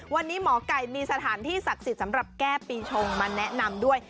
วันนี้หมอไก่มีสถานที่ศักดิ์สิทธิ์สำหรับแก้ปีชงมาแนะนำด้วย